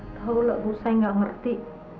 tahulah bu saya nggak ngerti